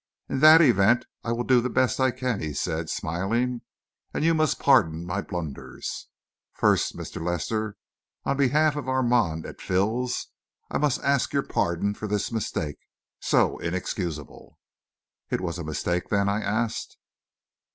"In that event, I will do the best that I can," he said, smiling, "and you must pardon my blunders. First, Mr. Lester, on behalf of Armand et Fils, I must ask your pardon for this mistake, so inexcusable." "It was a mistake, then?" I asked.